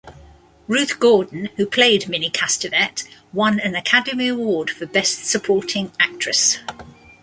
Ruth Gordon, who played Minnie Castevet, won an Academy Award for Best Supporting Actress.